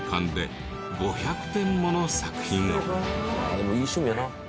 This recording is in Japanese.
でもいい趣味やな。